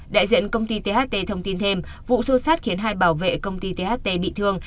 đại diện công ty tht thông tin thêm vụ xô xát khiến hai bảo vệ công ty tht bị thương